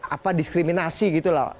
apa diskriminasi gitu lah